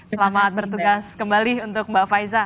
selamat bertugas kembali untuk mbak faiza